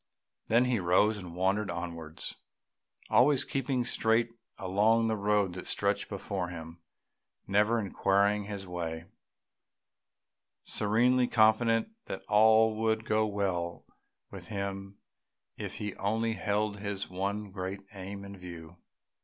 Then he rose and wandered onwards, always keeping straight along the road that stretched before him, never inquiring his way, serenely confident that all would go well with him if he only held his one great aim in view.